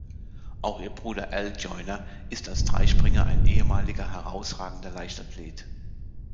Auch ihr Bruder Al Joyner ist als Dreispringer ein ehemaliger herausragender Leichtathlet.